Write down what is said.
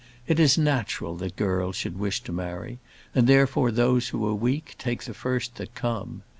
It is natural that girls should wish to marry; and, therefore, those who are weak, take the first that come.